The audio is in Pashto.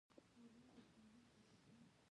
هلمند سیند د افغانستان د کلتوري میراث یوه برخه ده.